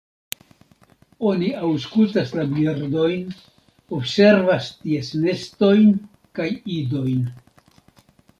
Oni aŭskultas la birdojn, observas ties nestojn kaj idojn.